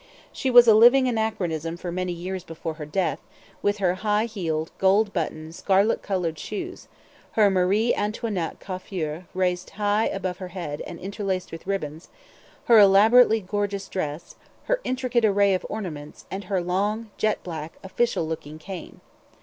She was a living anachronism for many years before her death, with her high heeled, gold buttoned, scarlet coloured shoes, her Marie Antoinette coiffure raised high above her head and interlaced with ribbons, her elaborately gorgeous dress, her intricate array of ornaments, and her long, jet black, official looking cane.